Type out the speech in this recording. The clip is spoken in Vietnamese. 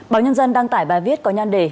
báo nhân dân đăng tải bài viết có nhan đề